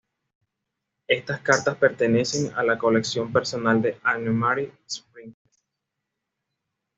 Estas cartas pertenecen a la colección personal de Anne-Marie Springer.